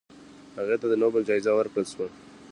هغې ته د نوبل جایزه ورکړل شوه.